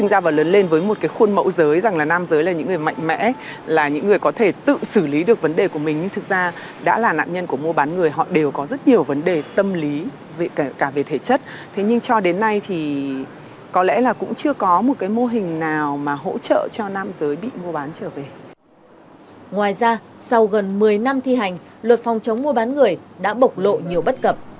ngoài ra sau gần một mươi năm thi hành luật phòng chống mua bán người đã bộc lộ nhiều bất cập